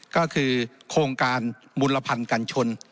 ก็คือโครงการบุรพันธ์กันชน